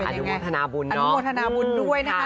อนุโมทนาบุญน้องบุญด้วยนะคะ